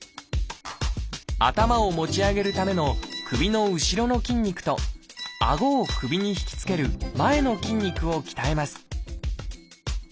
頭を持ち上げるための首の後ろの筋肉とあごを首にひきつける前の筋肉を鍛えます